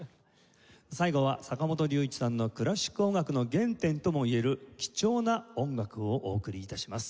最後は坂本龍一さんのクラシック音楽の原点とも言える貴重な音楽をお送り致します。